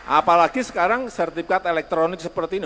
apalagi sekarang sertifikat elektronik seperti ini